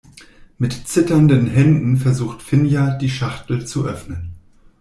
Mit zitternden Händen versucht Finja, die Schachtel zu öffnen.